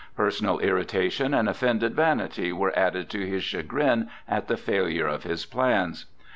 Personal irritation and offended vanity were added to his chagrin at the failure of his plans.